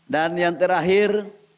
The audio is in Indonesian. dan yang terakhir